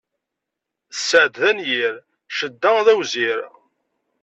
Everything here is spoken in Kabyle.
Sseɛd d anyir, cedda d awzir.